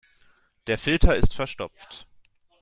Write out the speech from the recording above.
Der Filter ist verstopft.